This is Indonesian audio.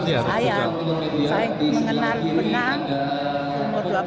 saya saya mengenal penang umur dua belas tahun